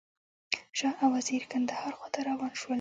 شاه او وزیر کندهار خواته روان شول.